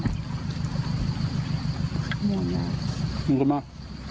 ม่วมมาก